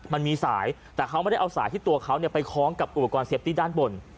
มันมีสายแต่เขาไม่ได้เอาสายที่ตัวเขาไปคล้องกับอุปกรณ์เซฟตี้ด้านบน